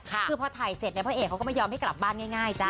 คือพอถ่ายเสร็จเนี่ยพระเอกเขาก็ไม่ยอมให้กลับบ้านง่ายจ้